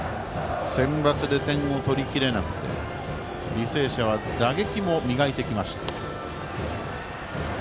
センバツで点を取りきれなくて履正社は打撃も磨いてきました。